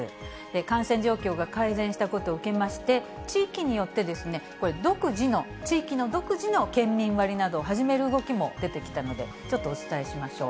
感染状況が改善したことを受けまして、地域によって、これ、独自の、地域の独自の県民割などを始める動きも出てきたので、ちょっとお伝えしましょう。